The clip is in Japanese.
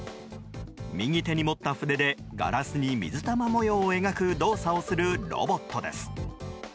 右手に持った筆でガラスに水玉模様を描く動作をするロボットです。